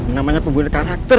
namanya pembuli karakter